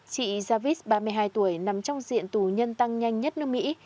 chị javis ba mươi hai tuổi nằm trong diện tù nhân tăng nhanh nhất nước mỹ